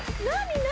何！？